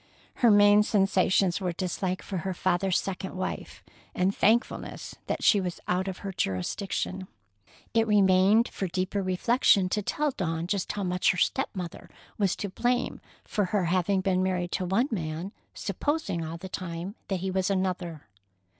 Her main sensations were dislike for her father's second wife, and thankfulness that she was out of her jurisdiction. It remained for deeper reflection to tell Dawn just how much her step mother was to blame for her having been married to one man, supposing all the time that he was another.